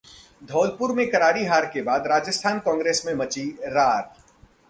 धौलपुर में करारी हार के बाद राजस्थान कांग्रेस में मची रार